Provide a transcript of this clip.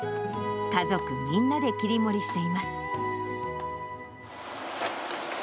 家族みんなで切り盛りしています。